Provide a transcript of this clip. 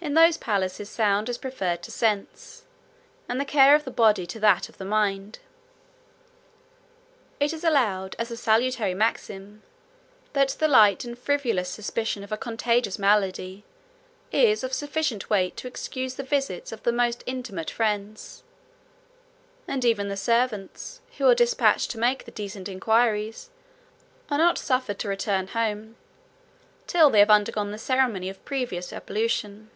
In those palaces, sound is preferred to sense, and the care of the body to that of the mind." It is allowed as a salutary maxim, that the light and frivolous suspicion of a contagious malady, is of sufficient weight to excuse the visits of the most intimate friends; and even the servants, who are despatched to make the decent inquiries, are not suffered to return home, till they have undergone the ceremony of a previous ablution.